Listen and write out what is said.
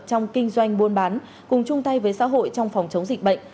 trong kinh doanh buôn bán cùng chung tay với xã hội trong phòng chống dịch bệnh